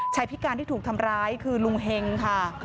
พิการที่ถูกทำร้ายคือลุงเฮงค่ะ